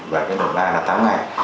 và đợt ba là tám ngày